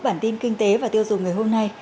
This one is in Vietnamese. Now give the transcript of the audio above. bản tin kinh tế và tiêu dùng ngày hôm nay